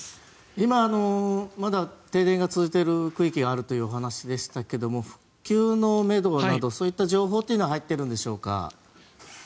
今、まだ停電が続いている区域があるというお話でしたが復旧のめどなどそういった情報は入っているんでしょうか？